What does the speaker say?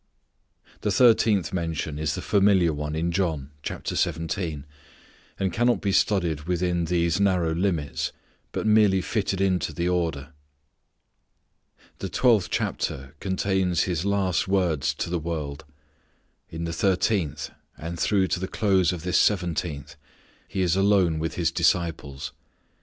The thirteenth mention is the familiar one in John, chapter seventeen, and cannot be studied within these narrow limits, but merely fitted into Us order. The twelfth chapter contains His last words to the world. In the thirteenth and through to the close of this seventeenth He is alone with His disciples.